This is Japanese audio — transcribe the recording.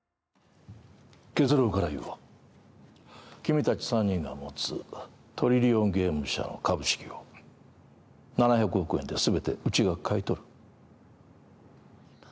結論から言おう、君たち３人が持つトリリオンゲーム社の株式を７００億円でうちが買い取る。